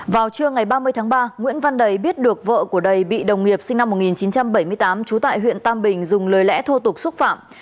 vào trưa ngày ba mươi tháng ba nguyễn văn đầy biết được vợ của đầy bị đồng nghiệp sinh năm một nghìn chín trăm bảy mươi tám trú tại huyện tam bình dùng lời lẽ thô tục xúc phạm